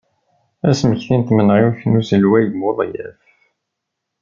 Asmekti n tmenɣiwt n uselway Buḍyaf.